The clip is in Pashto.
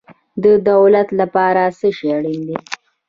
د دولت لپاره څه شی اړین دی؟